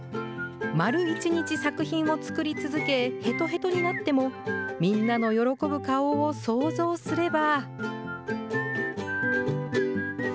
丸１日作品を作り続け、へとへとになっても、みんなの喜ぶ顔を想像すれば。